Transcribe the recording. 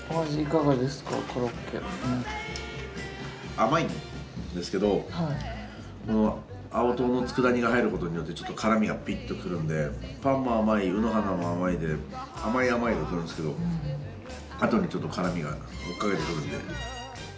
甘いんですけどこの青唐の佃煮が入ることによってちょっと辛みがピッとくるんでパンも甘い卯の花も甘いで甘い甘いが来るんですけどあとにちょっと辛みが追っかけてくるんで。